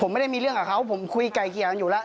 ผมไม่ได้มีเรื่องกับเขาผมคุยไก่เกลี่ยกันอยู่แล้ว